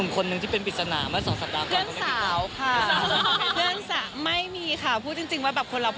เพื่อนสาวไม่มีค่ะ